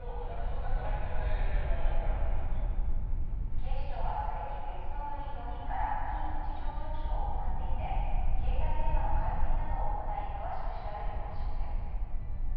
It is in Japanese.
警視庁はすでに別の部員４人から任意の事情聴取を行っていて携帯電話の解析などを行い詳しく調べる方針です。